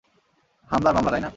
হামলার মামলা, তাই না?